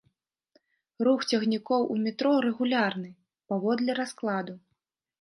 Рух цягнікоў у метро рэгулярны, паводле раскладу.